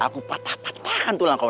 kata pak umar